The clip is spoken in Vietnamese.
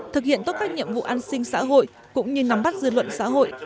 thực hiện tốt các nhiệm vụ an sinh xã hội cũng như nắm bắt dư luận xã hội